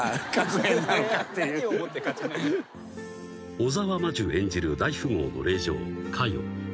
［小沢真珠演じる大富豪の令嬢香世］